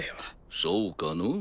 そうかのぅ？